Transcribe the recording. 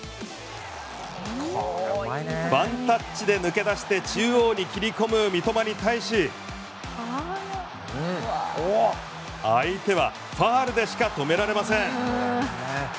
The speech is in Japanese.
ワンタッチで抜け出して中央に切り込む三笘に対し相手はファウルでしか止められません。